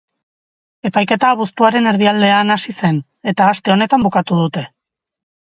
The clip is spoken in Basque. Epaiketa abuztuaren erdialdean hasi zen, eta aste honetan bukatu dute.